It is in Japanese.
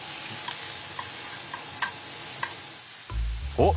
おっ！